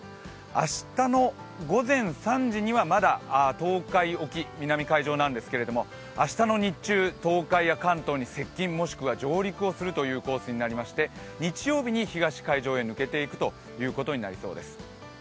明日の午前３時にはまだ東海沖南海上なんですけれども明日の日中、東海や関東に接近、もしくは上陸をするというコースをとりまして、日曜日に東海上へ抜けていくということになりそうです。